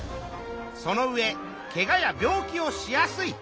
その上ケガや病気をしやすい。